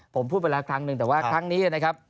ผมพูดไปแล้วครั้งหนึ่งแต่ว่าครั้งนี้นะครับ